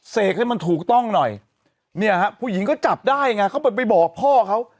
เสกให้มันถูกต้องหน่อยเนี่ยฮะผู้หญิงก็จับได้ไงเขาไปบอกพ่อเขา